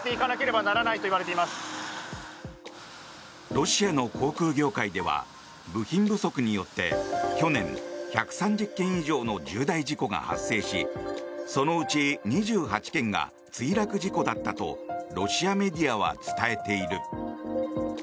ロシアの航空業界では部品不足によって去年、１３０件以上の重大事故が発生しそのうち２８件が墜落事故だったとロシアメディアは伝えている。